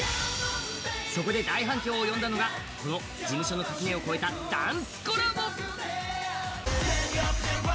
そこで大反響を呼んだこの事務所の垣根を越えたダンスコラボ。